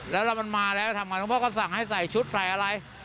แล้วมันมาแล้วทำไงคุณพ่อก็สั่งให้ใส่ชุดใส่อะไร